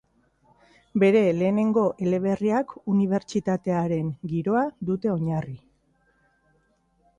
Bere lehenengo eleberriak unibertsitatearen giroa dute oinarri.